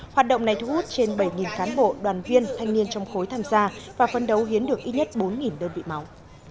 hoạt động này thu hút trên bảy cán bộ đoàn viên thanh niên trong khối tham gia và phân đấu hiến được ít nhất bốn đơn vị máu